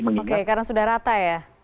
oke karena sudah rata ya